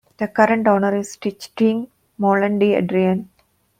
The current owner is Stichting Molen De Adriaan.